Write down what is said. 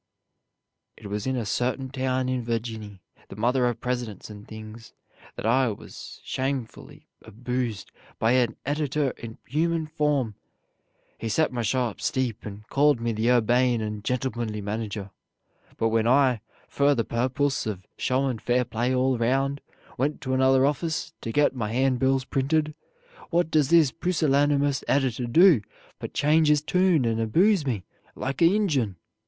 "It was in a surtin town in Virginny, the Muther of Presidents and things, that I was shaimfully aboozed by a editer in human form. He set my Show up steep, and kalled me the urbane and gentlemunly manager, but when I, fur the purpuss of showin' fair play all round, went to anuther offiss to get my handbills printed, what duz this pussillanermus editer do but change his toon and abooze me like a injun.